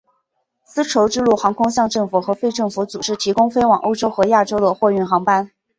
丝绸之路航空向政府和非政府组织提供飞往欧洲和亚洲的货运航班。